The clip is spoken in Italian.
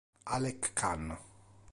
Alec Kann